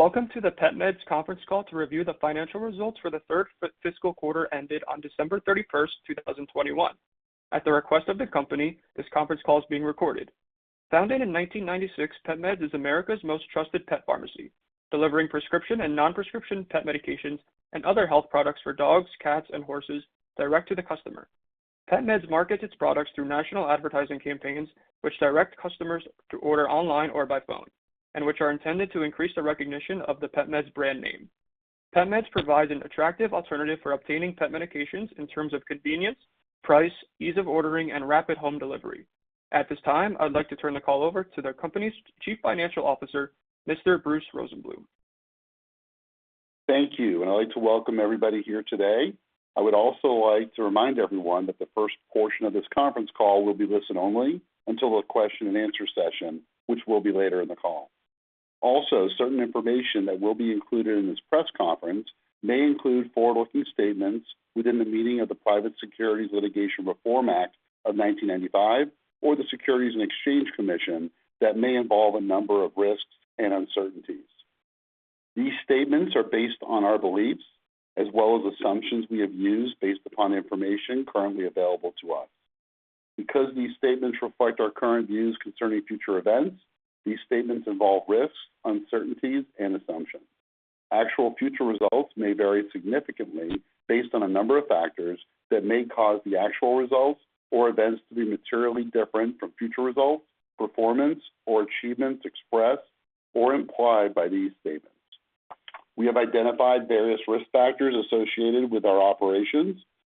Welcome to the PetMeds's conference call to review the financial results for the third fiscal quarter ended on December 31, 2021. At the request of the company, this conference call is being recorded. Founded in 1996, PetMeds is America's most trusted pet pharmacy, delivering prescription and non-prescription pet medications and other health products for dogs, cats, and horses direct to the customer. PetMeds markets its products through national advertising campaigns, which direct customers to order online or by phone, and which are intended to increase the recognition of the PetMeds brand name. PetMeds provides an attractive alternative for obtaining pet medications in terms of convenience, price, ease of ordering, and rapid home delivery. At this time, I would like to turn the call over to the company's Chief Financial Officer, Mr. Bruce Rosenbloom. Thank you, and I'd like to welcome everybody here today. I would also like to remind everyone that the first portion of this conference call will be listen only until the question and answer session, which will be later in the call. Also, certain information that will be included in this press conference may include forward-looking statements within the meaning of the Private Securities Litigation Reform Act of 1995 or the Securities and Exchange Commission that may involve a number of risks and uncertainties. These statements are based on our beliefs as well as assumptions we have used based upon information currently available to us. Because these statements reflect our current views concerning future events, these statements involve risks, uncertainties, and assumptions. Actual future results may vary significantly based on a number of factors that may cause the actual results or events to be materially different from future results, performance, or achievements expressed or implied by these statements. We have identified various risk factors associated with our operations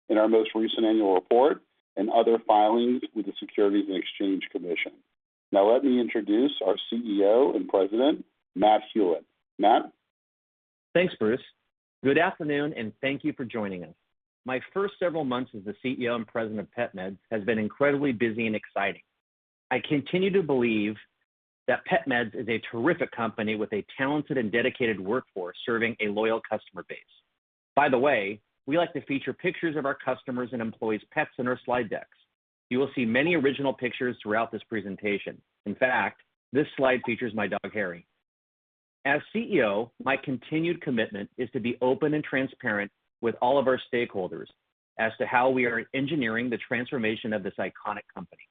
in our most recent annual report and other filings with the Securities and Exchange Commission. Now let me introduce our CEO and President, Matt Hulett. Matt? Thanks, Bruce. Good afternoon, and thank you for joining us. My first several months as the CEO and President of PetMeds has been incredibly busy and exciting. I continue to believe that PetMeds is a terrific company with a talented and dedicated workforce serving a loyal customer base. By the way, we like to feature pictures of our customers' and employees' pets in our slide decks. You will see many original pictures throughout this presentation. In fact, this slide features my dog, Harry. As CEO, my continued commitment is to be open and transparent with all of our stakeholders as to how we are engineering the transformation of this iconic company.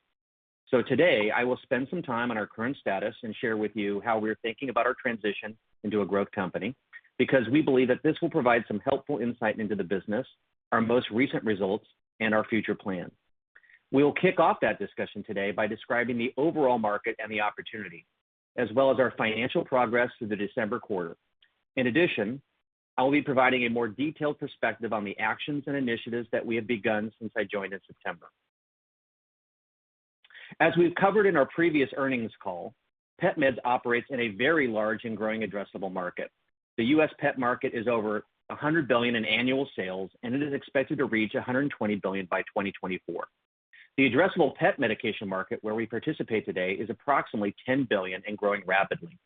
Today, I will spend some time on our current status and share with you how we're thinking about our transition into a growth company, because we believe that this will provide some helpful insight into the business, our most recent results, and our future plans. We will kick off that discussion today by describing the overall market and the opportunity, as well as our financial progress through the December quarter. In addition, I will be providing a more detailed perspective on the actions and initiatives that we have begun since I joined in September. As we've covered in our previous earnings call, PetMeds operates in a very large and growing addressable market. The U.S. pet market is over $100 billion in annual sales, and it is expected to reach $120 billion by 2024. The addressable pet medication market where we participate today is approximately $10 billion and growing rapidly.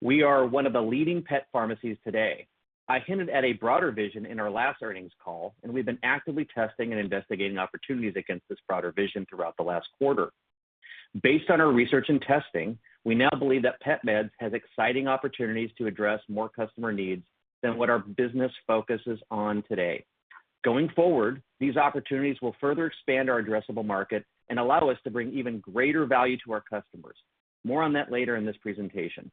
We are one of the leading pet pharmacies today. I hinted at a broader vision in our last earnings call, and we've been actively testing and investigating opportunities against this broader vision throughout the last quarter. Based on our research and testing, we now believe that PetMeds has exciting opportunities to address more customer needs than what our business focuses on today. Going forward, these opportunities will further expand our addressable market and allow us to bring even greater value to our customers. More on that later in this presentation.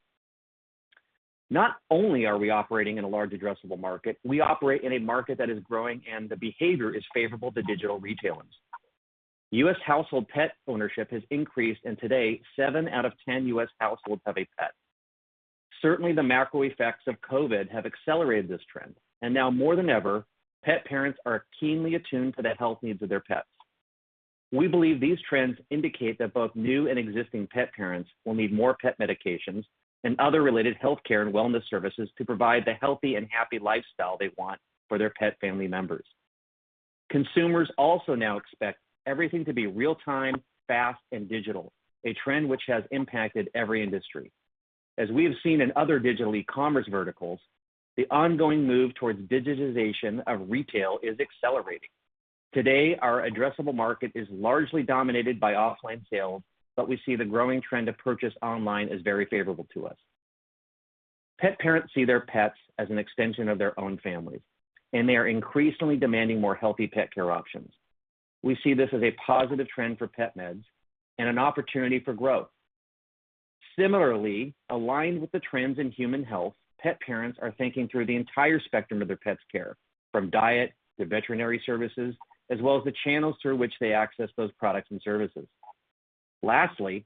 Not only are we operating in a large addressable market, we operate in a market that is growing and the behavior is favorable to digital retailers. U.S. household pet ownership has increased, and today seven out of 10 U.S. households have a pet. Certainly, the macro effects of COVID have accelerated this trend, and now more than ever, pet parents are keenly attuned to the health needs of their pets. We believe these trends indicate that both new and existing pet parents will need more pet medications and other related healthcare and wellness services to provide the healthy and happy lifestyle they want for their pet family members. Consumers also now expect everything to be real-time, fast, and digital, a trend which has impacted every industry. As we have seen in other digital e-commerce verticals, the ongoing move towards digitization of retail is accelerating. Today, our addressable market is largely dominated by offline sales, but we see the growing trend of purchase online as very favorable to us. Pet parents see their pets as an extension of their own families, and they are increasingly demanding more healthy pet care options. We see this as a positive trend for PetMeds and an opportunity for growth. Similarly, aligned with the trends in human health, pet parents are thinking through the entire spectrum of their pet's care, from diet to veterinary services, as well as the channels through which they access those products and services. Lastly,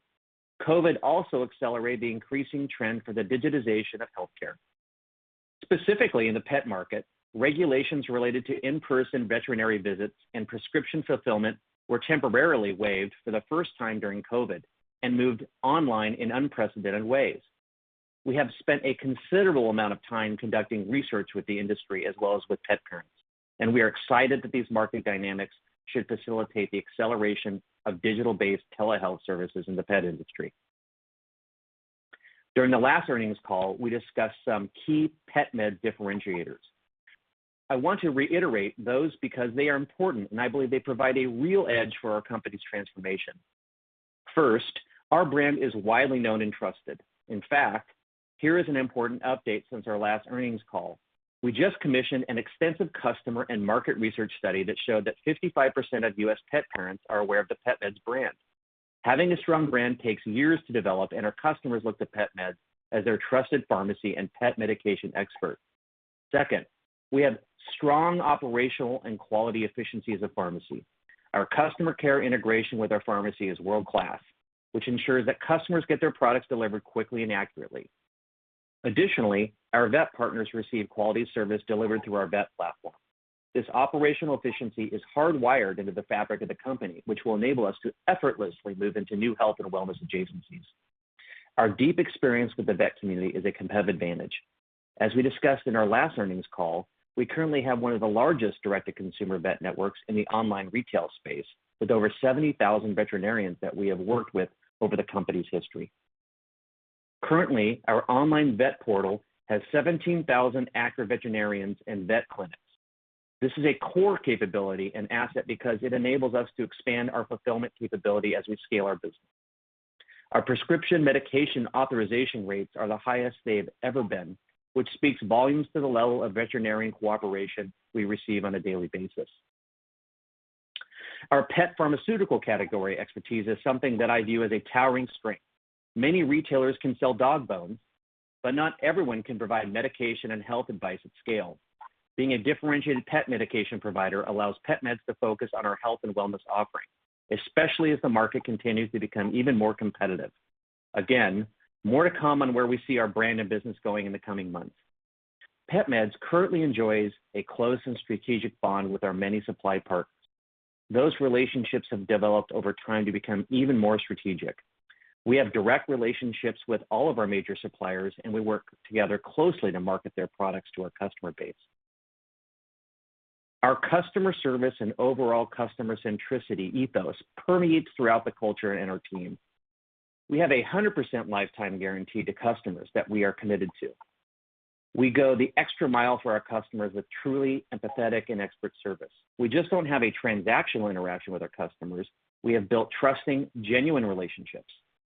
COVID also accelerated the increasing trend for the digitization of healthcare. Specifically in the pet market, regulations related to in-person veterinary visits and prescription fulfillment were temporarily waived for the first time during COVID and moved online in unprecedented ways. We have spent a considerable amount of time conducting research with the industry as well as with pet parents, and we are excited that these market dynamics should facilitate the acceleration of digital-based telehealth services in the pet industry. During the last earnings call, we discussed some key PetMeds differentiators. I want to reiterate those because they are important, and I believe they provide a real edge for our company's transformation. First, our brand is widely known and trusted. In fact, here is an important update since our last earnings call. We just commissioned an extensive customer and market research study that showed that 55% of U.S. pet parents are aware of the PetMeds brand. Having a strong brand takes years to develop, and our customers look to PetMeds as their trusted pharmacy and pet medication expert. Second, we have strong operational and quality efficiencies of pharmacy. Our customer care integration with our pharmacy is world-class, which ensures that customers get their products delivered quickly and accurately. Additionally, our vet partners receive quality service delivered through our vet platform. This operational efficiency is hardwired into the fabric of the company, which will enable us to effortlessly move into new health and wellness adjacencies. Our deep experience with the vet community is a competitive advantage. As we discussed in our last earnings call, we currently have one of the largest direct-to-consumer vet networks in the online retail space, with over 70,000 veterinarians that we have worked with over the company's history. Currently, our online vet portal has 17,000 active veterinarians and vet clinics. This is a core capability and asset because it enables us to expand our fulfillment capability as we scale our business. Our prescription medication authorization rates are the highest they've ever been, which speaks volumes to the level of veterinarian cooperation we receive on a daily basis. Our pet pharmaceutical category expertise is something that I view as a towering strength. Many retailers can sell dog bones, but not everyone can provide medication and health advice at scale. Being a differentiated pet medication provider allows PetMeds to focus on our health and wellness offerings, especially as the market continues to become even more competitive. Again, more to come on where we see our brand and business going in the coming months. PetMeds currently enjoys a close and strategic bond with our many supply partners. Those relationships have developed over time to become even more strategic. We have direct relationships with all of our major suppliers, and we work together closely to market their products to our customer base. Our customer service and overall customer centricity ethos permeates throughout the culture and our team. We have a 100% lifetime guarantee to customers that we are committed to. We go the extra mile for our customers with truly empathetic and expert service. We just don't have a transactional interaction with our customers, we have built trusting, genuine relationships.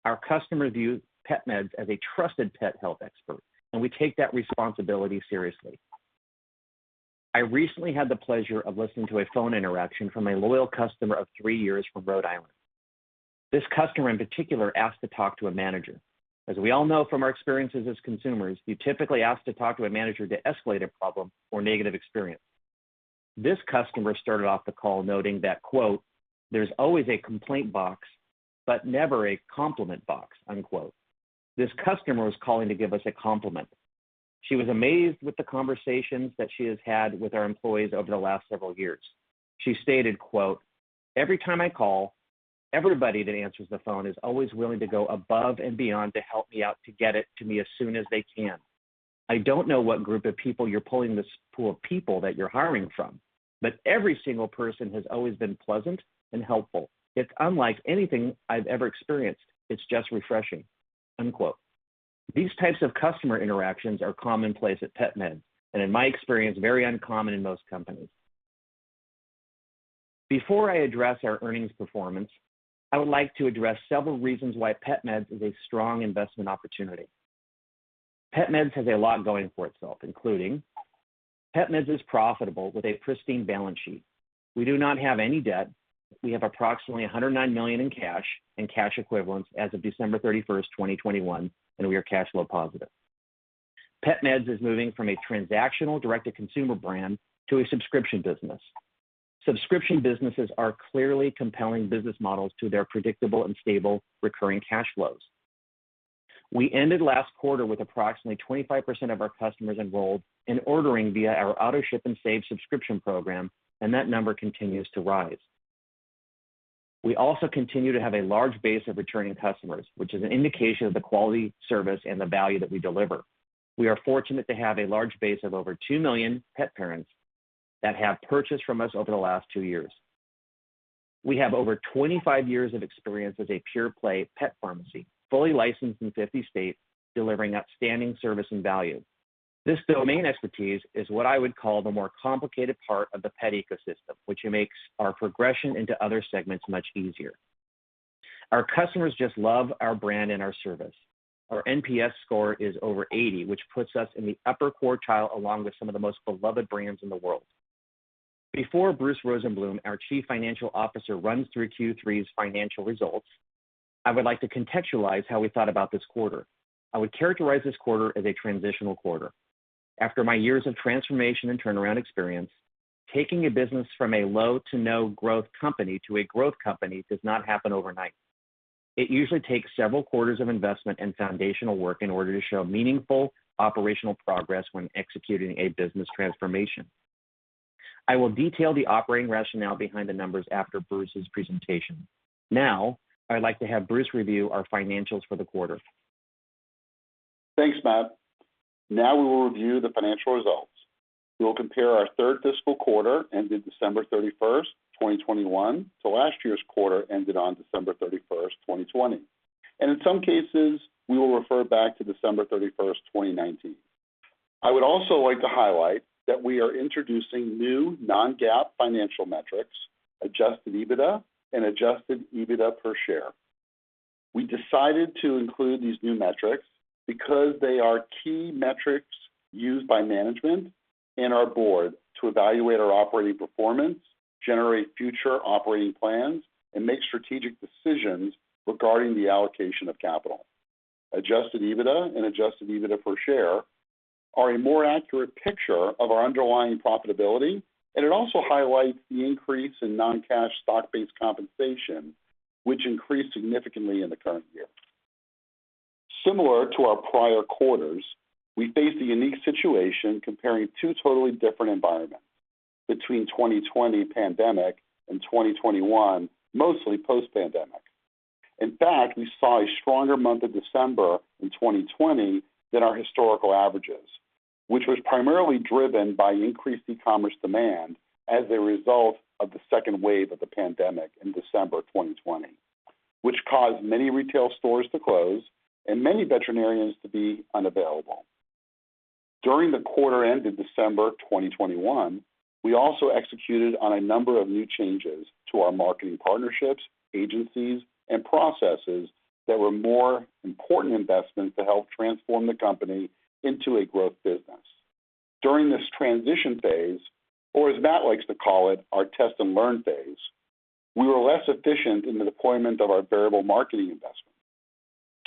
Our customers view PetMeds as a trusted pet health expert, and we take that responsibility seriously. I recently had the pleasure of listening to a phone interaction from a loyal customer of three years from Rhode Island. This customer, in particular, asked to talk to a manager. As we all know from our experiences as consumers, you typically ask to talk to a manager to escalate a problem or negative experience. This customer started off the call noting that "There's always a complaint box, but never a compliment box." This customer was calling to give us a compliment. She was amazed with the conversations that she has had with our employees over the last several years. She stated, "Every time I call, everybody that answers the phone is always willing to go above and beyond to help me out to get it to me as soon as they can. I don't know what group of people you're pulling this pool of people that you're hiring from, but every single person has always been pleasant and helpful. It's unlike anything I've ever experienced. It's just refreshing." These types of customer interactions are commonplace at PetMeds, and in my experience, very uncommon in most companies. Before I address our earnings performance, I would like to address several reasons why PetMeds is a strong investment opportunity. PetMeds has a lot going for itself, including PetMeds is profitable with a pristine balance sheet. We do not have any debt. We have approximately $109 million in cash and cash equivalents as of December 31st, 2021, and we are cash flow positive. PetMeds is moving from a transactional direct-to-consumer brand to a subscription business. Subscription businesses are clearly compelling business models to their predictable and stable recurring cash flows. We ended last quarter with approximately 25% of our customers enrolled in ordering via our AutoShip & Save subscription program, and that number continues to rise. We also continue to have a large base of returning customers, which is an indication of the quality service and the value that we deliver. We are fortunate to have a large base of over 2 million pet parents that have purchased from us over the last two years. We have over 25 years of experience as a pure-play pet pharmacy, fully licensed in 50 states, delivering outstanding service and value. This domain expertise is what I would call the more complicated part of the pet ecosystem, which makes our progression into other segments much easier. Our customers just love our brand and our service. Our NPS score is over 80, which puts us in the upper quartile along with some of the most beloved brands in the world. Before Bruce Rosenbloom, our Chief Financial Officer, runs through Q3's financial results, I would like to contextualize how we thought about this quarter. I would characterize this quarter as a transitional quarter. After my years of transformation and turnaround experience, taking a business from a low to no growth company to a growth company does not happen overnight. It usually takes several quarters of investment and foundational work in order to show meaningful operational progress when executing a business transformation. I will detail the operating rationale behind the numbers after Bruce's presentation. Now, I'd like to have Bruce review our financials for the quarter. Thanks, Matt. Now we will review the financial results. We will compare our third fiscal quarter, ended December 31st, 2021 to last year's quarter, ended on December 31st, 2020. In some cases, we will refer back to December 31st, 2019. I would also like to highlight that we are introducing new non-GAAP financial metrics, adjusted EBITDA and adjusted EBITDA per share. We decided to include these new metrics because they are key metrics used by management and our board to evaluate our operating performance, generate future operating plans, and make strategic decisions regarding the allocation of capital. Adjusted EBITDA and adjusted EBITDA per share are a more accurate picture of our underlying profitability, and it also highlights the increase in non-cash stock-based compensation, which increased significantly in the current year. Similar to our prior quarters, we face a unique situation comparing two totally different environments between 2020 pandemic and 2021, mostly post-pandemic. In fact, we saw a stronger month of December in 2020 than our historical averages, which was primarily driven by increased e-commerce demand as a result of the second wave of the pandemic in December 2020, which caused many retail stores to close and many veterinarians to be unavailable. During the quarter ended December 2021, we also executed on a number of new changes to our marketing partnerships, agencies, and processes that were more important investments to help transform the company into a growth business. During this transition phase, or as Matt likes to call it, our test and learn phase, we were less efficient in the deployment of our variable marketing investment.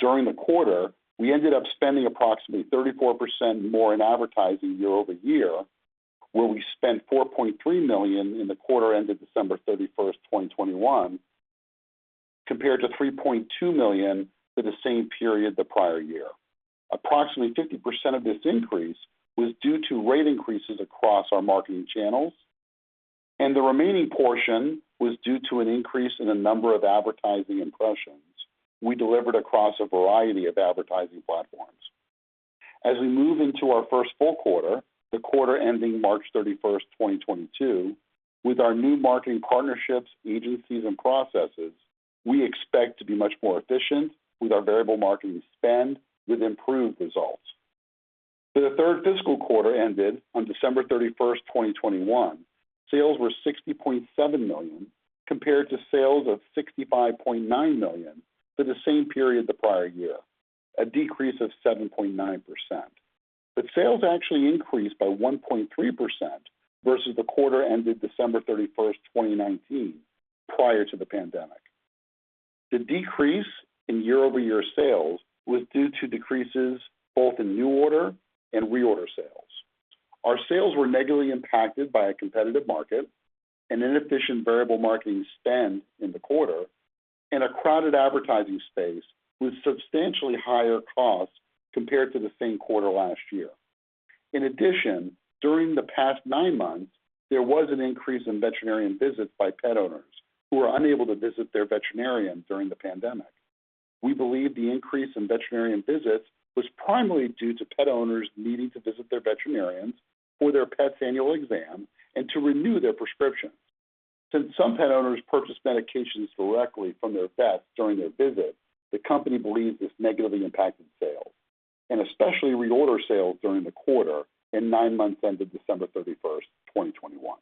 During the quarter, we ended up spending approximately 34% more in advertising year-over-year, where we spent $4.3 million in the quarter ended December 31st, 2021, compared to $3.2 million for the same period the prior year. Approximately 50% of this increase was due to rate increases across our marketing channels, and the remaining portion was due to an increase in the number of advertising impressions we delivered across a variety of advertising platforms. As we move into our first full quarter, the quarter ending March 31st, 2022, with our new marketing partnerships, agencies, and processes, we expect to be much more efficient with our variable marketing spend with improved results. For the third fiscal quarter ended on December 31st, 2021, sales were $60.7 million, compared to sales of $65.9 million for the same period the prior year, a decrease of 7.9%. Sales actually increased by 1.3% versus the quarter ended December 31st, 2019, prior to the pandemic. The decrease in year-over-year sales was due to decreases both in new order and reorder sales. Our sales were negatively impacted by a competitive market, an inefficient variable marketing spend in the quarter, and a crowded advertising space with substantially higher costs compared to the same quarter last year. In addition, during the past nine months, there was an increase in veterinarian visits by pet owners who were unable to visit their veterinarian during the pandemic. We believe the increase in veterinarian visits was primarily due to pet owners needing to visit their veterinarians for their pet's annual exam and to renew their prescriptions. Since some pet owners purchase medications directly from their vets during their visit, the company believes this negatively impacted sales, and especially reorder sales during the quarter and nine months ended December 31st, 2021.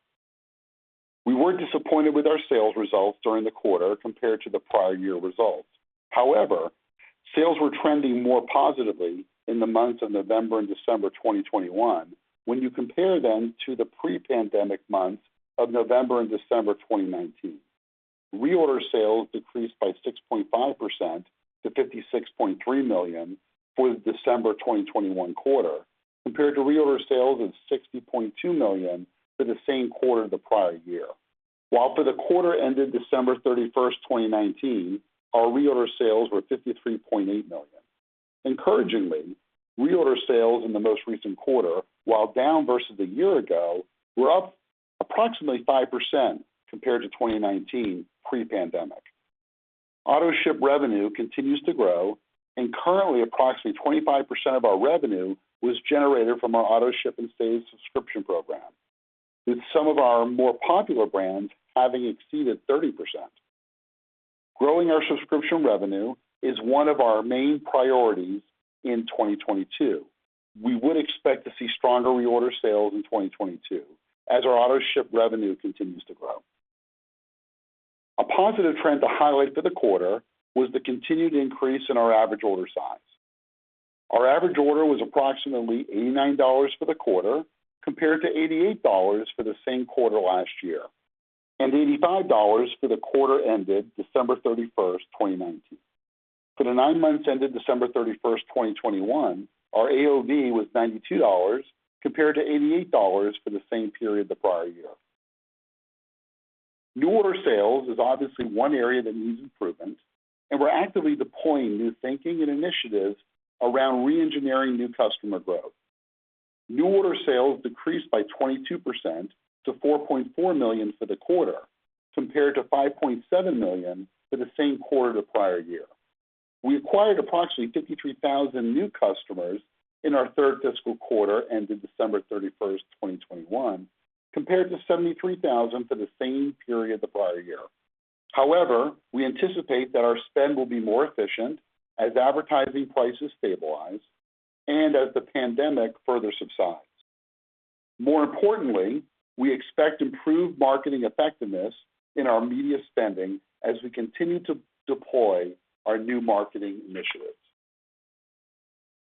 We were disappointed with our sales results during the quarter compared to the prior year results. However, sales were trending more positively in the months of November and December 2021 when you compare them to the pre-pandemic months of November and December 2019. Reorder sales decreased by 6.5% to $56.3 million for the December 2021 quarter, compared to reorder sales of $60.2 million for the same quarter the prior year. While for the quarter ended December 31st, 2019, our reorder sales were $53.8 million. Encouragingly, reorder sales in the most recent quarter, while down versus a year ago, were up approximately 5% compared to 2019 pre-pandemic. Autoship revenue continues to grow, and currently approximately 25% of our revenue was generated from our Autoship & Save subscription program, with some of our more popular brands having exceeded 30%. Growing our subscription revenue is one of our main priorities in 2022. We would expect to see stronger reorder sales in 2022 as our Autoship revenue continues to grow. A positive trend to highlight for the quarter was the continued increase in our average order size. Our average order was approximately $89 for the quarter, compared to $88 for the same quarter last year, and $85 for the quarter ended December 31st, 2019. For the nine months ended December 31st, 2021, our AOV was $92 compared to $88 for the same period the prior year. New order sales is obviously one area that needs improvement, and we're actively deploying new thinking and initiatives around re-engineering new customer growth. New order sales decreased by 22% to $4.4 million for the quarter, compared to $5.7 million for the same quarter the prior year. We acquired approximately 53,000 new customers in our third fiscal quarter ended December 31st, 2021, compared to 73,000 for the same period the prior year. However, we anticipate that our spend will be more efficient as advertising prices stabilize and as the pandemic further subsides. More importantly, we expect improved marketing effectiveness in our media spending as we continue to deploy our new marketing initiatives.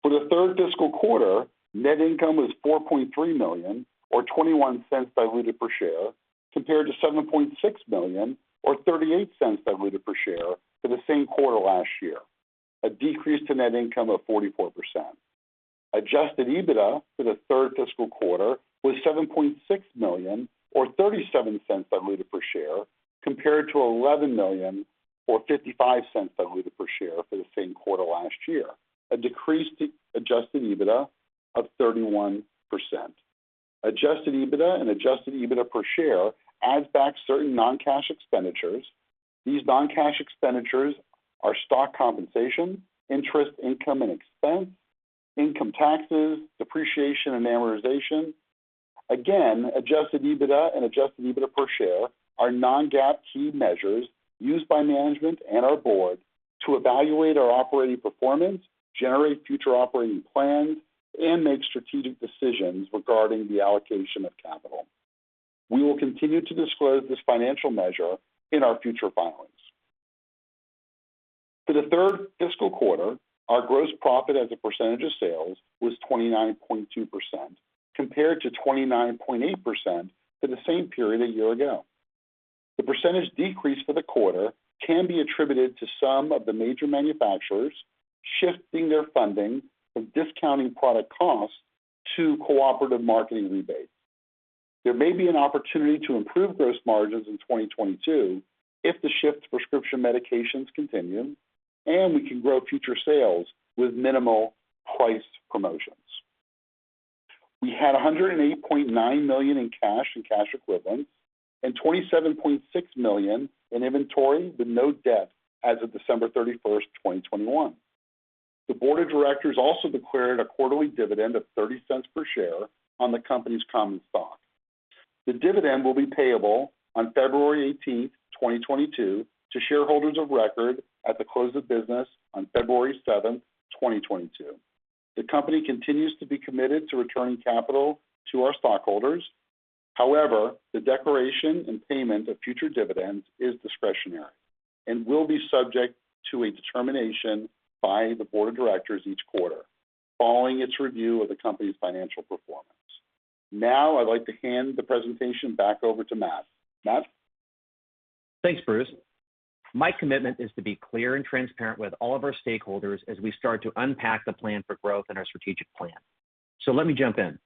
For the third fiscal quarter, net income was $4.3 million or $0.21 diluted per share, compared to $7.6 million or $0.38 diluted per share for the same quarter last year. A decrease to net income of 44%. Adjusted EBITDA for the third fiscal quarter was $7.6 million or $0.37 diluted per share, compared to $11 million or $0.55 diluted per share for the same quarter last year. A decrease to adjusted EBITDA of 31%. Adjusted EBITDA and adjusted EBITDA per share adds back certain non-cash expenditures. These non-cash expenditures are stock compensation, interest, income and expense, income taxes, depreciation, and amortization. Again, adjusted EBITDA and adjusted EBITDA per share are non-GAAP key measures used by management and our board to evaluate our operating performance, generate future operating plans, and make strategic decisions regarding the allocation of capital. We will continue to disclose this financial measure in our future filings. For the third fiscal quarter, our gross profit as a percentage of sales was 29.2% compared to 29.8% for the same period a year ago. The percentage decrease for the quarter can be attributed to some of the major manufacturers shifting their funding from discounting product costs to cooperative marketing rebates. There may be an opportunity to improve gross margins in 2022 if the shift to prescription medications continue, and we can grow future sales with minimal price promotions. We had $108.9 million in cash and cash equivalents, and $27.6 million in inventory with no debt as of December 31st, 2021. The board of directors also declared a quarterly dividend of $0.30 per share on the company's common stock. The dividend will be payable on February 18th, 2022 to shareholders of record at the close of business on February 7th, 2022. The company continues to be committed to returning capital to our stockholders. However, the declaration and payment of future dividends is discretionary and will be subject to a determination by the board of directors each quarter following its review of the company's financial performance. Now, I'd like to hand the presentation back over to Matt. Matt? Thanks, Bruce. My commitment is to be clear and transparent with all of our stakeholders as we start to unpack the plan for growth and our strategic plan. Let me jump in.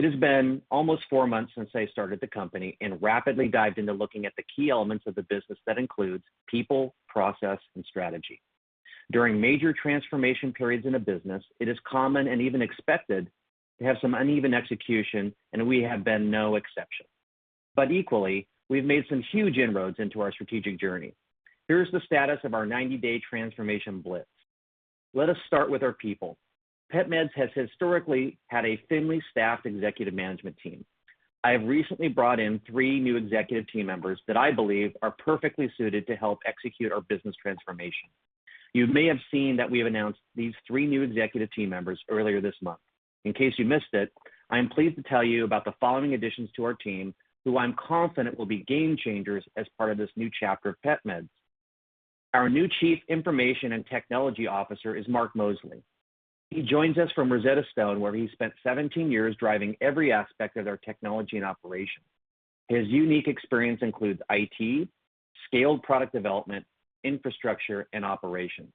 It has been almost four months since I started the company and rapidly dived into looking at the key elements of the business that includes people, process, and strategy. During major transformation periods in a business, it is common and even expected to have some uneven execution, and we have been no exception. Equally, we've made some huge inroads into our strategic journey. Here's the status of our 90-day transformation blitz. Let us start with our people. PetMeds has historically had a thinly staffed executive management team. I have recently brought in three new executive team members that I believe are perfectly suited to help execute our business transformation. You may have seen that we have announced these three new executive team members earlier this month. In case you missed it, I am pleased to tell you about the following additions to our team, who I'm confident will be game-changers as part of this new chapter of PetMeds. Our new Chief Information and Technology Officer is Mark Moseley. He joins us from Rosetta Stone, where he spent 17 years driving every aspect of their technology and operations. His unique experience includes IT, scaled product development, infrastructure, and operations.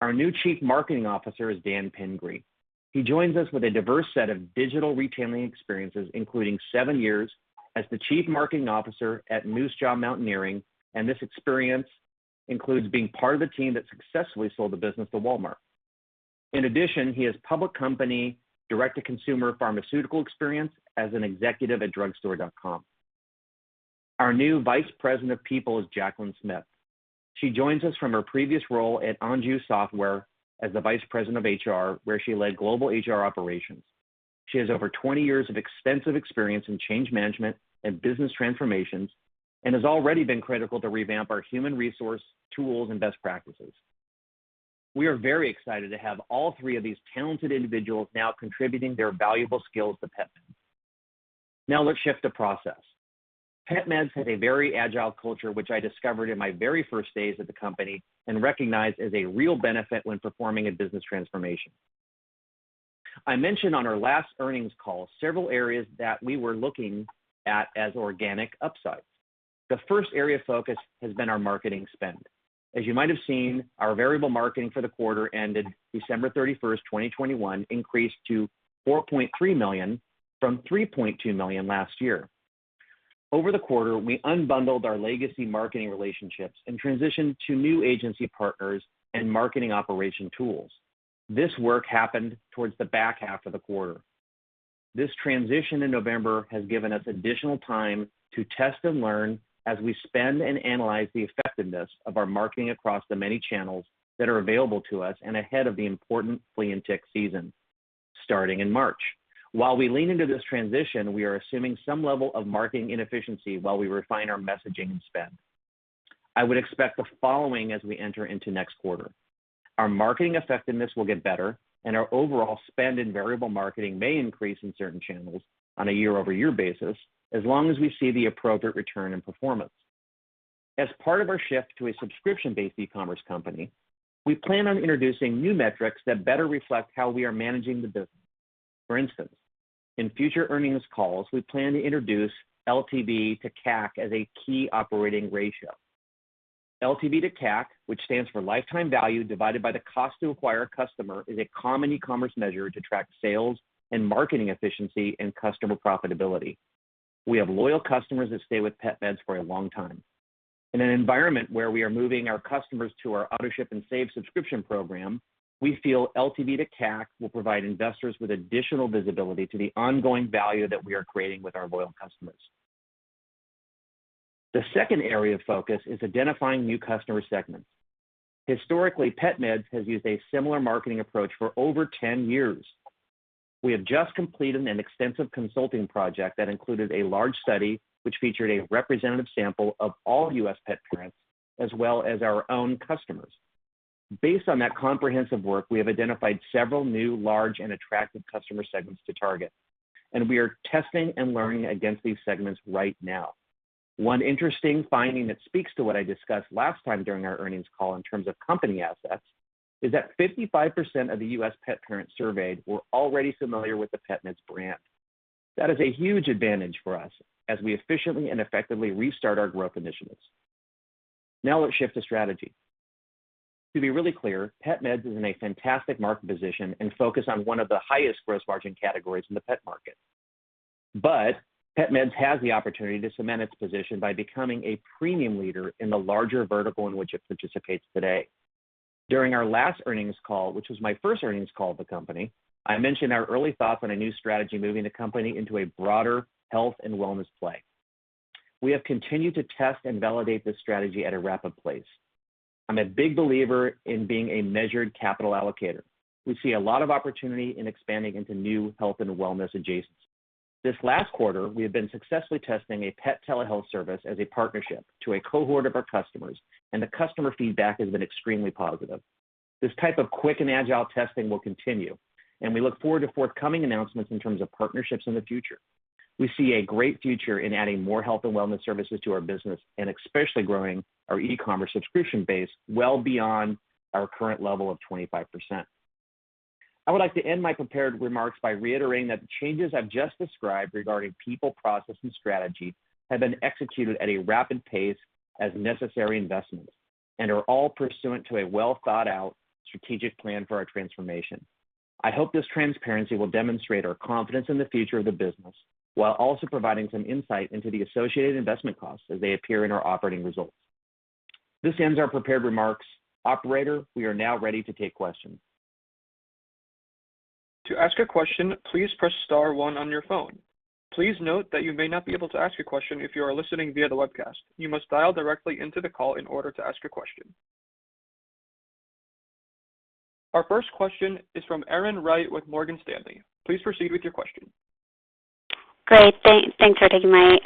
Our new Chief Marketing Officer is Dan Pingree. He joins us with a diverse set of digital retailing experiences, including seven years as the Chief Marketing Officer at Moosejaw Mountaineering, and this experience includes being part of the team that successfully sold the business to Walmart. In addition, he has public company direct-to-consumer pharmaceutical experience as an executive at drugstore.com. Our new Vice President of People is Jacqueline Smith. She joins us from her previous role at Anju Software as the Vice President of HR, where she led global HR operations. She has over 20 years of extensive experience in change management and business transformations and has already been critical to revamp our human resource tools and best practices. We are very excited to have all three of these talented individuals now contributing their valuable skills to PetMeds. Now let's shift to process. PetMeds has a very agile culture, which I discovered in my very first days at the company and recognized as a real benefit when performing a business transformation. I mentioned on our last earnings call several areas that we were looking at as organic upsides. The first area of focus has been our marketing spend. As you might have seen, our variable marketing for the quarter ended December 31st, 2021, increased to $4.3 million from $3.2 million last year. Over the quarter, we unbundled our legacy marketing relationships and transitioned to new agency partners and marketing operation tools. This work happened towards the back half of the quarter. This transition in November has given us additional time to test and learn as we spend and analyze the effectiveness of our marketing across the many channels that are available to us and ahead of the important flea and tick season starting in March. While we lean into this transition, we are assuming some level of marketing inefficiency while we refine our messaging and spend. I would expect the following as we enter into next quarter. Our marketing effectiveness will get better and our overall spend in variable marketing may increase in certain channels on a year-over-year basis as long as we see the appropriate return in performance. As part of our shift to a subscription-based e-commerce company, we plan on introducing new metrics that better reflect how we are managing the business. For instance, in future earnings calls, we plan to introduce LTV to CAC as a key operating ratio. LTV to CAC, which stands for lifetime value divided by the cost to acquire a customer, is a common e-commerce measure to track sales and marketing efficiency and customer profitability. We have loyal customers that stay with PetMeds for a long time. In an environment where we are moving our customers to our AutoShip and Save subscription program, we feel LTV to CAC will provide investors with additional visibility to the ongoing value that we are creating with our loyal customers. The second area of focus is identifying new customer segments. Historically, PetMeds has used a similar marketing approach for over 10 years. We have just completed an extensive consulting project that included a large study, which featured a representative sample of all U.S. pet parents as well as our own customers. Based on that comprehensive work, we have identified several new large and attractive customer segments to target, and we are testing and learning against these segments right now. One interesting finding that speaks to what I discussed last time during our earnings call in terms of company assets is that 55% of the U.S. pet parents surveyed were already familiar with the PetMeds brand. That is a huge advantage for us as we efficiently and effectively restart our growth initiatives. Now let's shift to strategy. To be really clear, PetMeds is in a fantastic market position and focused on one of the highest gross margin categories in the pet market. PetMeds has the opportunity to cement its position by becoming a premium leader in the larger vertical in which it participates today. During our last earnings call, which was my first earnings call at the company, I mentioned our early thoughts on a new strategy moving the company into a broader health and wellness play. We have continued to test and validate this strategy at a rapid pace. I'm a big believer in being a measured capital allocator. We see a lot of opportunity in expanding into new health and wellness adjacencies. This last quarter, we have been successfully testing a pet telehealth service as a partnership to a cohort of our customers, and the customer feedback has been extremely positive. This type of quick and agile testing will continue, and we look forward to forthcoming announcements in terms of partnerships in the future. We see a great future in adding more health and wellness services to our business and especially growing our e-commerce subscription base well beyond our current level of 25%. I would like to end my prepared remarks by reiterating that the changes I've just described regarding people, process, and strategy have been executed at a rapid pace as necessary investments and are all pursuant to a well-thought-out strategic plan for our transformation. I hope this transparency will demonstrate our confidence in the future of the business, while also providing some insight into the associated investment costs as they appear in our operating results. This ends our prepared remarks. Operator, we are now ready to take questions. To ask a question, please press star one on your phone. Please note that you may not be able to ask a question if you are listening via the webcast. You must dial directly into the call in order to ask a question. Our first question is from Erin Wright with Morgan Stanley. Please proceed with your question. Great. Thanks for taking my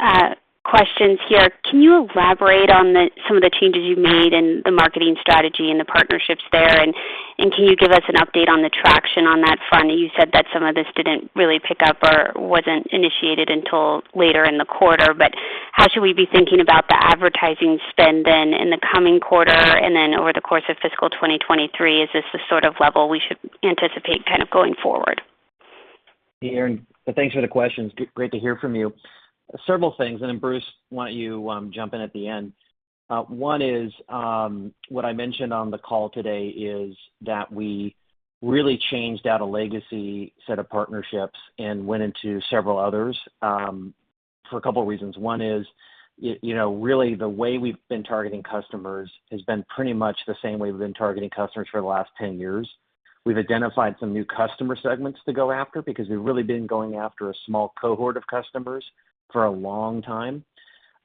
questions here. Can you elaborate on some of the changes you've made in the marketing strategy and the partnerships there, and can you give us an update on the traction on that front? You said that some of this didn't really pick up or wasn't initiated until later in the quarter, but how should we be thinking about the advertising spend then in the coming quarter and then over the course of fiscal 2023? Is this the sort of level we should anticipate kind of going forward? Hey, Erin. Thanks for the questions. Great to hear from you. Several things, and then Bruce, why don't you jump in at the end. One is what I mentioned on the call today is that we really changed out a legacy set of partnerships and went into several others for a couple reasons. One is you know, really the way we've been targeting customers has been pretty much the same way we've been targeting customers for the last 10 years. We've identified some new customer segments to go after because we've really been going after a small cohort of customers for a long time.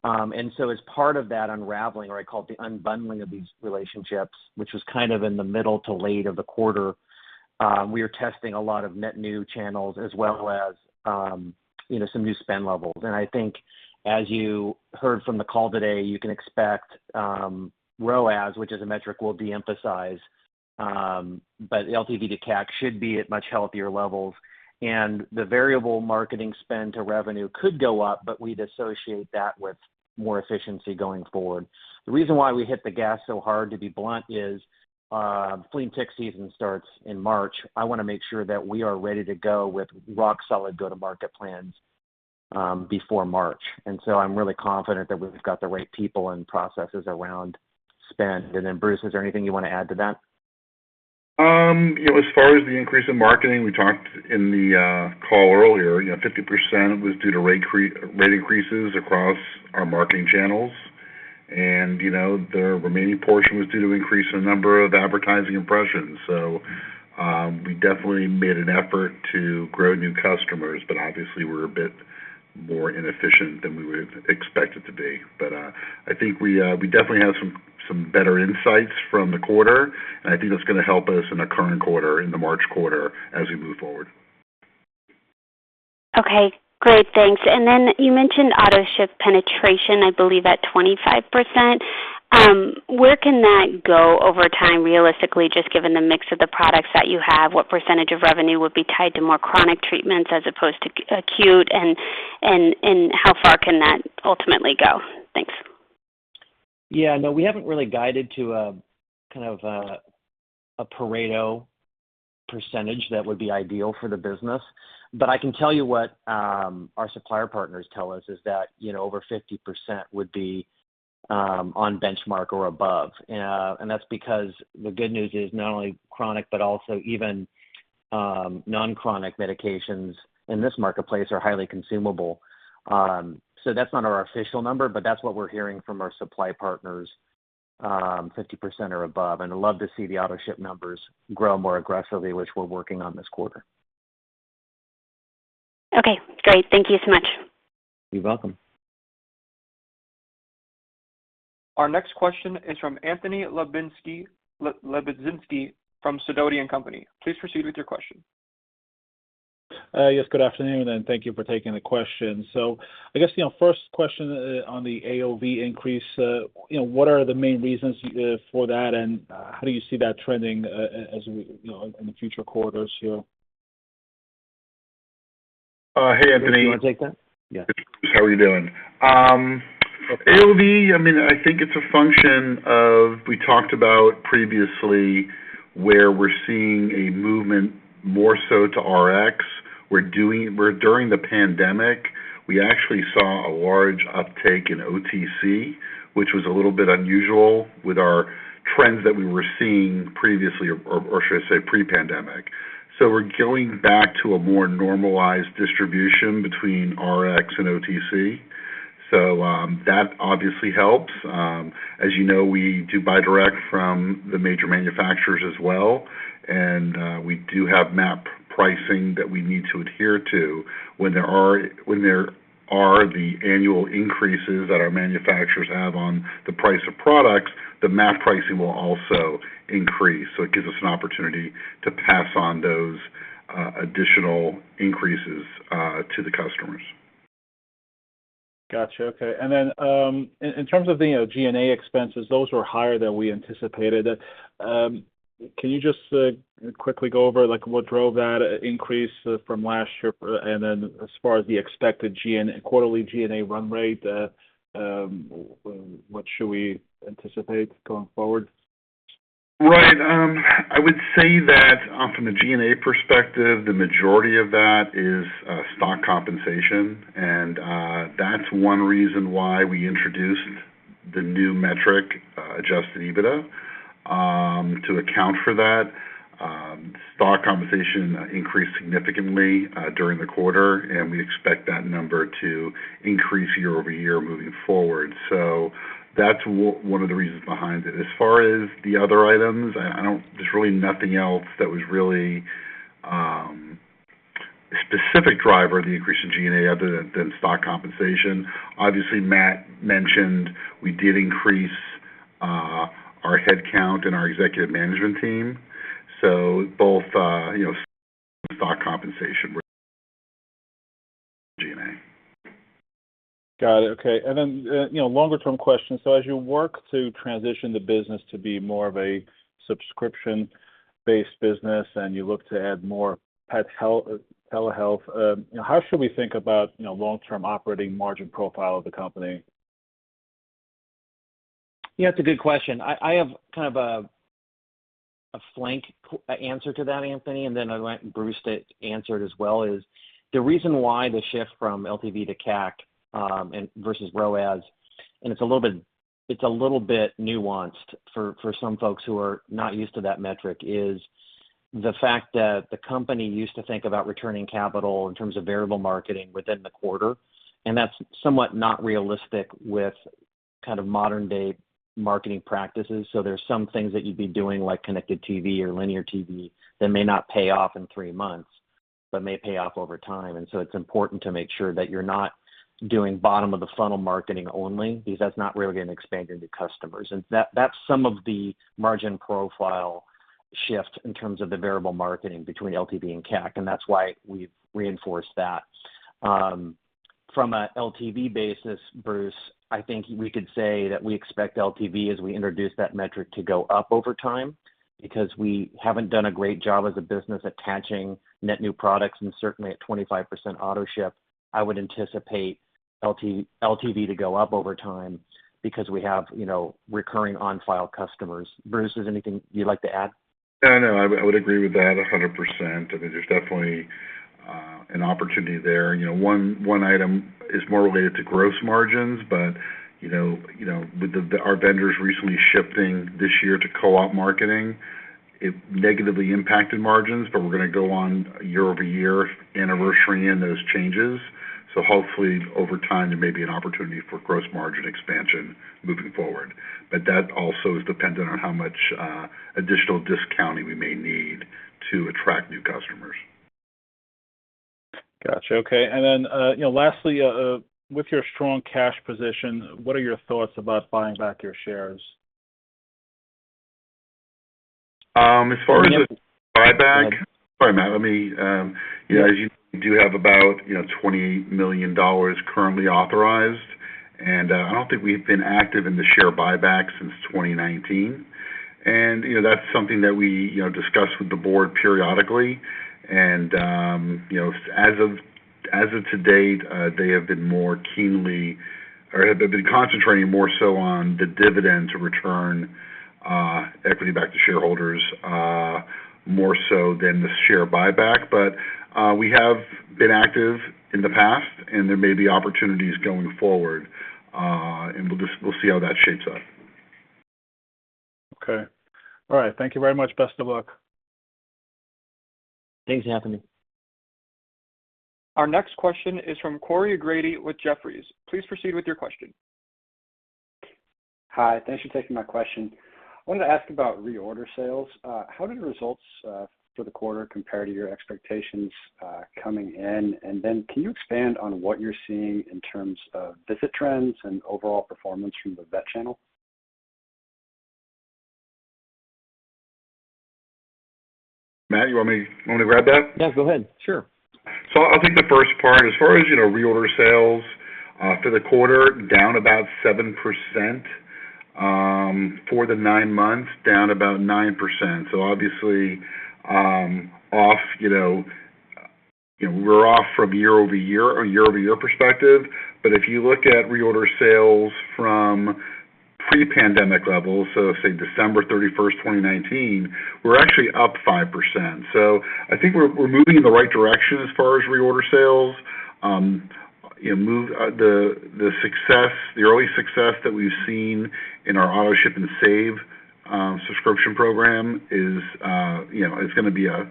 As part of that unraveling, or I call it the unbundling of these relationships, which was kind of in the middle to late of the quarter, we are testing a lot of net new channels as well as, you know, some new spend levels. I think as you heard from the call today, you can expect ROAS, which is a metric we'll de-emphasize, but LTV to CAC should be at much healthier levels. The variable marketing spend to revenue could go up, but we'd associate that with more efficiency going forward. The reason why we hit the gas so hard, to be blunt, is flea and tick season starts in March. I wanna make sure that we are ready to go with rock solid go-to-market plans before March. I'm really confident that we've got the right people and processes around spend. Bruce, is there anything you wanna add to that? You know, as far as the increase in marketing, we talked in the call earlier. You know, 50% was due to rate increases across our marketing channels. You know, the remaining portion was due to increase in the number of advertising impressions. We definitely made an effort to grow new customers, but obviously we're a bit more inefficient than we would expect it to be. I think we definitely have some better insights from the quarter, and I think that's gonna help us in the current quarter, in the March quarter as we move forward. Okay, great. Thanks. Then you mentioned AutoShip penetration, I believe, at 25%. Where can that go over time, realistically, just given the mix of the products that you have, what percentage of revenue would be tied to more chronic treatments as opposed to acute and how far can that ultimately go? Thanks. Yeah. No, we haven't really guided to a kind of Pareto percentage that would be ideal for the business. I can tell you what our supplier partners tell us is that you know over 50% would be on benchmark or above. That's because the good news is not only chronic but also even non-chronic medications in this marketplace are highly consumable. That's not our official number but that's what we're hearing from our supply partners 50% or above. I'd love to see the Autoship numbers grow more aggressively, which we're working on this quarter. Okay, great. Thank you so much. You're welcome. Our next question is from Anthony Lebiedzinski from Sidoti & Company. Please proceed with your question. Yes, good afternoon, and thank you for taking the question. I guess, you know, first question, on the AOV increase, you know, what are the main reasons, for that, and, how do you see that trending, as we, you know, in the future quarters here? Hey, Anthony. Do you wanna take that? Yeah. How are you doing? AOV, I mean, I think it's a function of, we talked about previously where we're seeing a movement more so to Rx. Whereas during the pandemic, we actually saw a large uptake in OTC, which was a little bit unusual with our trends that we were seeing previously or should I say pre-pandemic. We're going back to a more normalized distribution between Rx and OTC. That obviously helps. As you know, we do buy direct from the major manufacturers as well, and we do have MAP pricing that we need to adhere to. When there are the annual increases that our manufacturers have on the price of products, the MAP pricing will also increase. It gives us an opportunity to pass on those additional increases to the customers. Got you. Okay. In terms of the, you know, G&A expenses, those were higher than we anticipated. Can you just quickly go over, like, what drove that increase from last year, and then as far as the expected G&A quarterly G&A run rate, what should we anticipate going forward? Right. I would say that, from a G&A perspective, the majority of that is, stock compensation, and, that's one reason why we introduced the new metric, adjusted EBITDA, to account for that. Stock compensation increased significantly, during the quarter, and we expect that number to increase year-over-year moving forward. That's one of the reasons behind it. As far as the other items, I don't. There's really nothing else that was really, a specific driver of the increase in G&A other than stock compensation. Obviously, Matt mentioned we did increase, our headcount and our executive management team. Both, you know, stock compensation were G&A. Got it. Okay. You know, longer term question. As you work to transition the business to be more of a subscription-based business and you look to add more telehealth, how should we think about, you know, long-term operating margin profile of the company? Yeah, it's a good question. I have kind of a frank answer to that, Anthony, and then I'll let Bruce answer it as well. The reason why the shift from LTV to CAC versus ROAS, and it's a little bit nuanced for some folks who are not used to that metric, is the fact that the company used to think about returning capital in terms of variable marketing within the quarter, and that's somewhat not realistic with kind of modern day marketing practices. There's some things that you'd be doing, like connected TV or linear TV, that may not pay off in three months, but may pay off over time. It's important to make sure that you're not doing bottom of the funnel marketing only, because that's not really gonna expand into customers. That's some of the margin profile shift in terms of the variable marketing between LTV and CAC, and that's why we've reinforced that. From a LTV basis, Bruce, I think we could say that we expect LTV as we introduce that metric to go up over time because we haven't done a great job as a business attaching net new products. Certainly at 25% Autoship, I would anticipate LTV to go up over time because we have, you know, recurring on file customers. Bruce, is there anything you'd like to add? No, I would agree with that 100%. I mean, there's definitely an opportunity there. You know, one item is more related to gross margins, but you know, our vendors recently shifting this year to co-op marketing, it negatively impacted margins, but we're gonna go on year-over-year anniversary in those changes. Hopefully over time, there may be an opportunity for gross margin expansion moving forward. That also is dependent on how much additional discounting we may need to attract new customers. Got you. Okay. You know, lastly, with your strong cash position, what are your thoughts about buying back your shares? As far as the buyback, sorry, Matt, let me, as you do have about, you know, $20 million currently authorized, and I don't think we've been active in the share buyback since 2019. You know, that's something that we, you know, discuss with the board periodically. You know, as of to date, they have been concentrating more so on the dividend to return equity back to shareholders, more so than the share buyback. We have been active in the past, and there may be opportunities going forward, and we'll just see how that shapes up. Okay. All right. Thank you very much. Best of luck. Thanks for having me. Our next question is from Corey Grady with Jefferies. Please proceed with your question. Hi. Thanks for taking my question. I wanted to ask about reorder sales. How did the results for the quarter compare to your expectations coming in? Can you expand on what you're seeing in terms of visit trends and overall performance from the vet channel? Matt, you want me to grab that? Yeah, go ahead. Sure. I'll take the first part. As far as, you know, reorder sales for the quarter, down about 7%, for the nine months, down about 9%. Obviously, off, you know, we're off from year-over-year or year-over-year perspective. If you look at reorder sales from pre-pandemic levels, so say December 31st, 2019, we're actually up 5%. I think we're moving in the right direction as far as reorder sales. You know, the early success that we've seen in our AutoShip and Save subscription program is, you know, it's gonna be a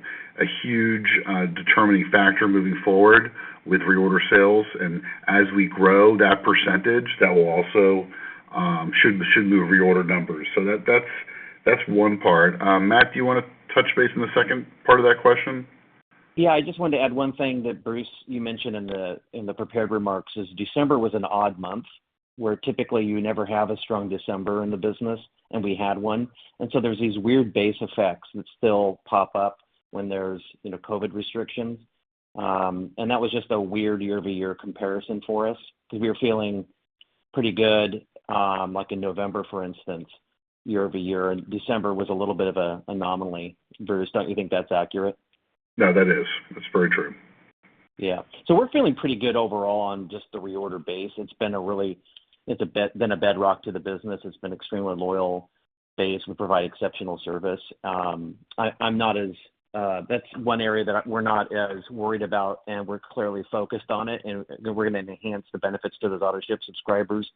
huge determining factor moving forward with reorder sales. As we grow that percentage, that will also should move reorder numbers. That's one part. Matt, do you wanna touch base on the second part of that question? Yeah. I just wanted to add one thing that, Bruce, you mentioned in the prepared remarks, is December was an odd month, where typically you never have a strong December in the business, and we had one. There's these weird base effects that still pop up when there's, you know, COVID restrictions. That was just a weird year-over-year comparison for us because we were feeling pretty good, like in November, for instance, year-over-year. December was a little bit of an anomaly. Bruce, don't you think that's accurate? No, that is. That's very true. Yeah. We're feeling pretty good overall on just the reorder base. It's been a bedrock to the business. It's been extremely loyal base. We provide exceptional service. That's one area that we're not as worried about, and we're clearly focused on it, and we're gonna enhance the benefits to those Autoship subscribers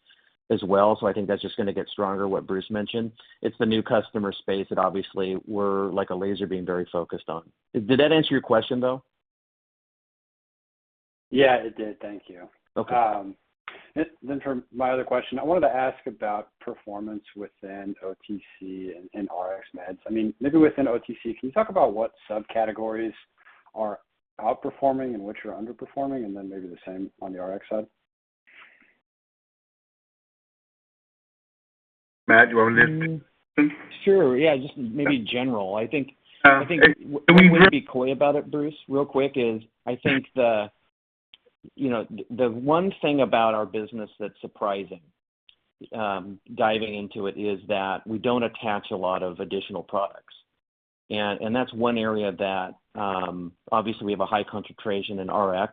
as well. I think that's just gonna get stronger, what Bruce mentioned. It's the new customer space that obviously we're like a laser being very focused on. Did that answer your question, though? Yeah, it did. Thank you. Okay. For my other question, I wanted to ask about performance within OTC and Rx meds. I mean, maybe within OTC, can you talk about what subcategories are outperforming and which are underperforming, and then maybe the same on the Rx side? Matt, you want me to take this? Sure. Yeah, just maybe in general. I think one way to be coy about it, Bruce, real quick is I think the, you know, the one thing about our business that's surprising, diving into it is that we don't attach a lot of additional products. That's one area that obviously we have a high concentration in Rx.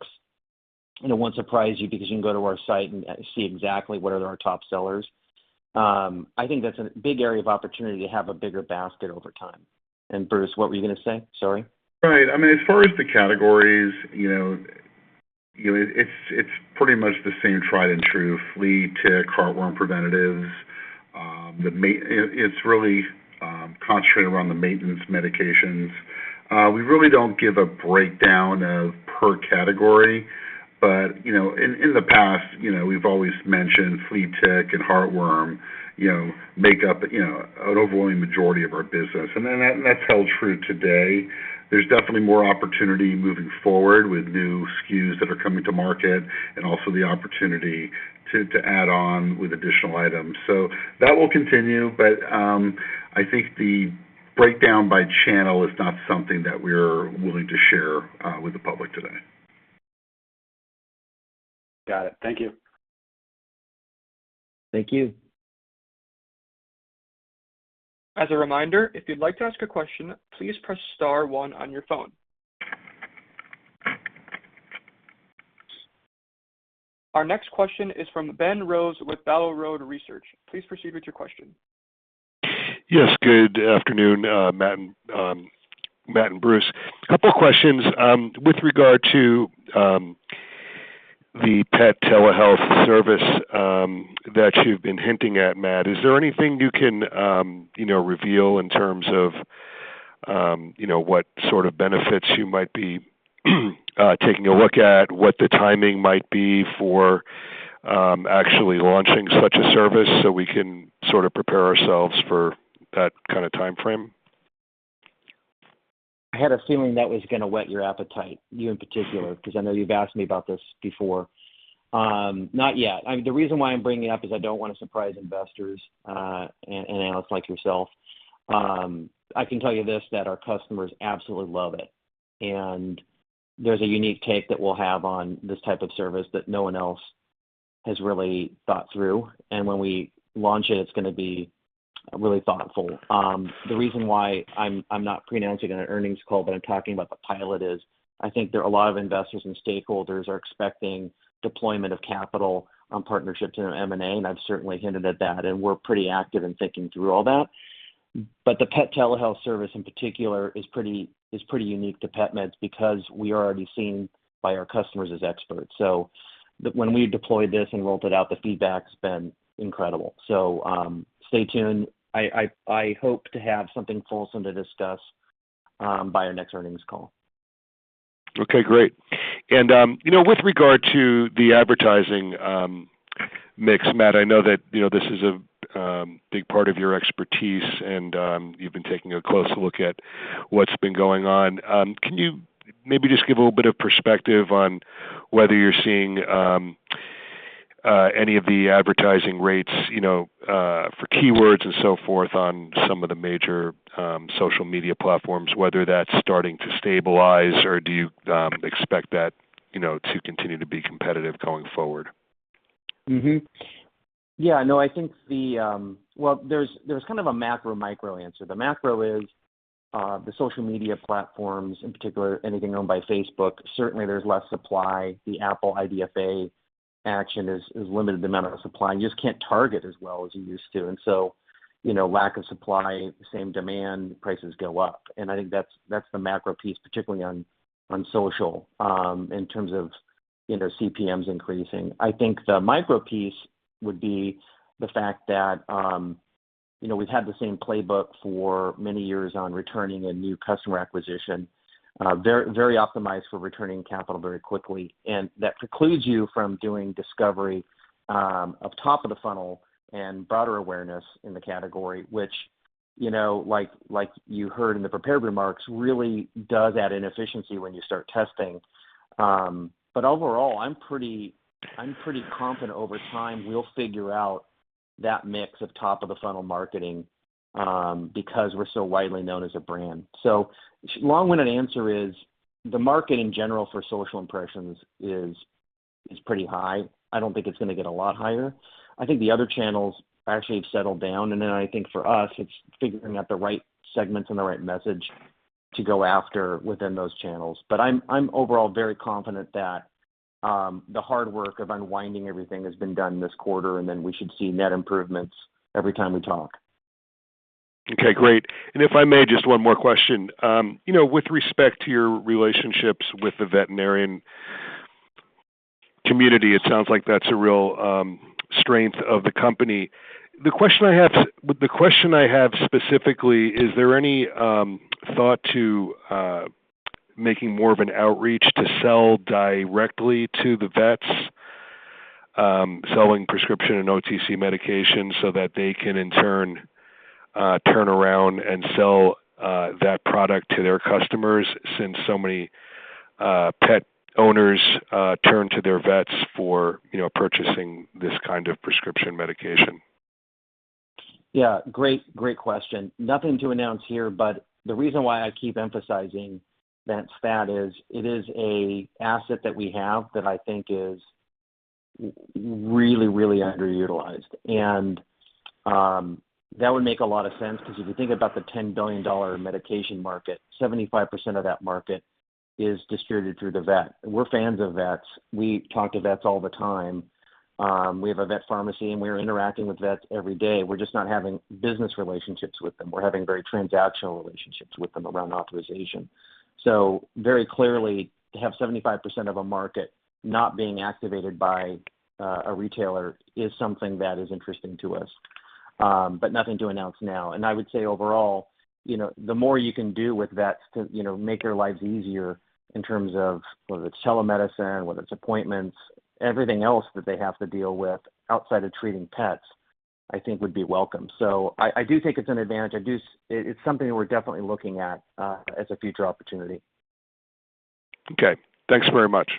It won't surprise you because you can go to our site and see exactly what are our top sellers. I think that's a big area of opportunity to have a bigger basket over time. Bruce, what were you gonna say? Sorry. Right. I mean, as far as the categories, you know, it's pretty much the same tried and true flea, tick, heartworm preventatives. It's really concentrated around the maintenance medications. We really don't give a breakdown per category, but, you know, in the past, you know, we've always mentioned flea, tick, and heartworm, you know, make up, you know, an overwhelming majority of our business. Then that held true today. There's definitely more opportunity moving forward with new SKUs that are coming to market and also the opportunity to add on with additional items. That will continue. I think the breakdown by channel is not something that we're willing to share with the public today. Got it. Thank you. Thank you. As a reminder, if you'd like to ask a question, please press star one on your phone. Our next question is from Ben Rose with Battle Road Research. Please proceed with your question. Yes, good afternoon, Matt and Bruce. A couple of questions with regard to the pet telehealth service that you've been hinting at, Matt. Is there anything you can you know reveal in terms of you know what sort of benefits you might be taking a look at, what the timing might be for actually launching such a service so we can sort of prepare ourselves for that kinda timeframe? I had a feeling that was gonna whet your appetite, you in particular, 'cause I know you've asked me about this before. Not yet. I mean, the reason why I'm bringing it up is I don't wanna surprise investors, and analysts like yourself. I can tell you this, that our customers absolutely love it. There's a unique take that we'll have on this type of service that no one else has really thought through. When we launch it's gonna be really thoughtful. The reason why I'm not preannouncing in an earnings call, but I'm talking about the pilot is I think there are a lot of investors and stakeholders are expecting deployment of capital on partnerships and M&A, and I've certainly hinted at that, and we're pretty active in thinking through all that. The pet telehealth service in particular is pretty unique to PetMeds because we are already seen by our customers as experts. When we deployed this and rolled it out, the feedback's been incredible. Stay tuned. I hope to have something for us then to discuss by our next earnings call. Okay, great. You know, with regard to the advertising mix, Matt, I know that you know, this is a big part of your expertise, and you've been taking a close look at what's been going on. Can you maybe just give a little bit of perspective on whether you're seeing any of the advertising rates, you know, for keywords and so forth on some of the major social media platforms, whether that's starting to stabilize or do you expect that, you know, to continue to be competitive going forward? Mm-hmm. Yeah, no, I think the well, there's kind of a macro micro answer. The macro is the social media platforms, in particular anything owned by Meta. Certainly there's less supply. The Apple IDFA action has limited the amount of supply, and you just can't target as well as you used to. You know, lack of supply, same demand, prices go up. I think that's the macro piece, particularly on social in terms of CPMs increasing. I think the micro piece would be the fact that, you know, we've had the same playbook for many years on returning a new customer acquisition, very optimized for returning capital very quickly, and that precludes you from doing discovery of top of the funnel and broader awareness in the category, which, you know, like you heard in the prepared remarks, really does add inefficiency when you start testing. Overall, I'm pretty confident over time we'll figure out that mix of top of the funnel marketing, because we're so widely known as a brand. Long-winded answer is the market in general for social impressions is pretty high. I don't think it's gonna get a lot higher. I think the other channels actually have settled down, and then I think for us, it's figuring out the right segments and the right message to go after within those channels. I'm overall very confident that the hard work of unwinding everything has been done this quarter, and then we should see net improvements every time we talk. Okay, great. If I may, just one more question. You know, with respect to your relationships with the veterinarian community, it sounds like that's a real strength of the company. The question I have specifically is there any thought to making more of an outreach to sell directly to the vets selling prescription and OTC medications so that they can in turn turn around and sell that product to their customers since so many pet owners turn to their vets for you know purchasing this kind of prescription medication? Yeah. Great. Great question. Nothing to announce here, but the reason why I keep emphasizing VetStat is it is an asset that we have that I think is really, really underutilized. That would make a lot of sense 'cause if you think about the $10 billion medication market, 75% of that market is distributed through the vet. We're fans of vets. We talk to vets all the time. We have a vet pharmacy and we're interacting with vets every day. We're just not having business relationships with them. We're having very transactional relationships with them around authorization. Very clearly, to have 75% of a market not being activated by a retailer is something that is interesting to us. But nothing to announce now. I would say overall, you know, the more you can do with vets to, you know, make their lives easier in terms of whether it's telemedicine, whether it's appointments, everything else that they have to deal with outside of treating pets, I think would be welcome. I do think it's an advantage. It's something we're definitely looking at as a future opportunity. Okay. Thanks very much.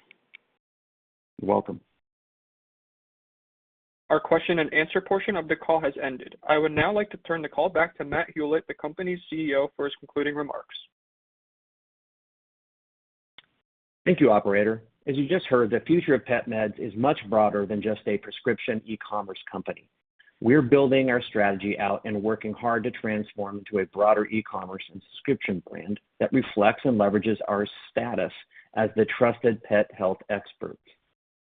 You're welcome. Our question and answer portion of the call has ended. I would now like to turn the call back to Matt Hulett, the company's CEO, for his concluding remarks. Thank you, operator. As you just heard, the future of PetMeds is much broader than just a prescription e-commerce company. We're building our strategy out and working hard to transform to a broader e-commerce and subscription brand that reflects and leverages our status as the trusted pet health expert.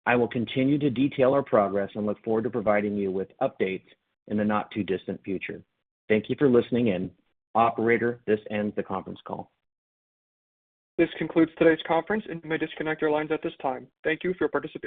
I will continue to detail our progress and look forward to providing you with updates in the not-too-distant future. Thank you for listening in. Operator, this ends the conference call. This concludes today's conference, and you may disconnect your lines at this time. Thank you for participating.